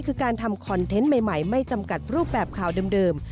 คือการทำคอนเทนต์ใหม่ไม่จำกัดรูปแบบข่าวเดิม